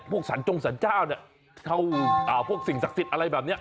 สรรจงสรรเจ้าเนี่ยเท่าพวกสิ่งศักดิ์สิทธิ์อะไรแบบนี้